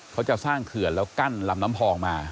เขาจะสร้างเขื่อนแล้วกั้นลำน้ำพองมา